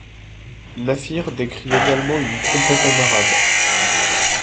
Naffir décrit également une trompette en arabe.